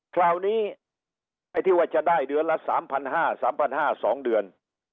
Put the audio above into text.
คราวนี้ไอ้ที่ว่าจะได้เดือนละสามพันห้าสามพันห้าสองเดือน